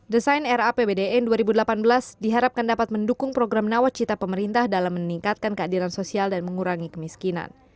desain rapbdn dua ribu delapan belas diharapkan dapat mendukung program nawacita pemerintah dalam meningkatkan keadilan sosial dan mengurangi kemiskinan